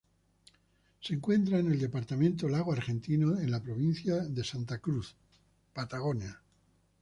Se encuentra en el departamento Lago Argentino, en la provincia de Santa Cruz, Patagonia.